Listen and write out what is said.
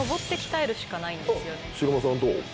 白間さんはどう？